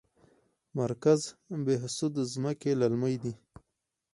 مرکز بهسود ځمکې للمي دي؟